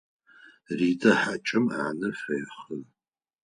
Ритэ хьакӏэм ӏанэ фехьы.